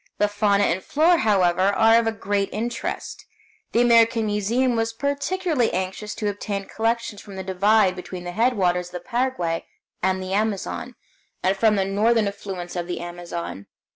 The fauna and flora, however, are of great interest. The American Museum was particularly anxious to obtain collections from the divide between the headwaters of the Paraguay and the Amazon, and from the southern affluents of the Amazon.